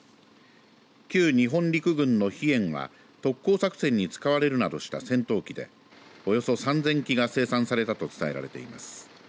旧日本陸軍の飛燕は特攻作戦に使われるなどした戦闘機でおよそ３０００機が生産されたと伝えられています。